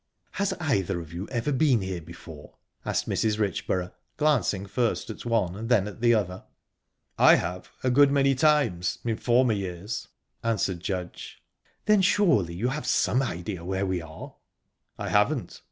"Has either of you ever been here before?" asked Mrs. Richborough, glancing first at one and then at the other. "I have, a good many times, in former years," answered Judge. "Then surely you have some idea where we are?" "I haven't."